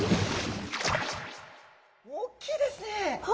おっきいですね。